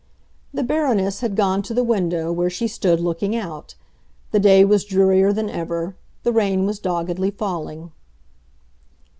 The Baroness had gone to the window, where she stood looking out. The day was drearier than ever; the rain was doggedly falling.